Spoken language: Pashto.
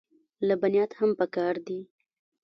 لبنیات هم پکار دي.